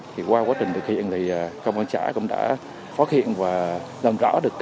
thì qua quá trình thực hiện thì công an trả cũng đã phóng hiện và làm rõ được